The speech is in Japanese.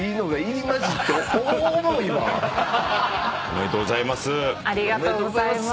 おめでとうございます。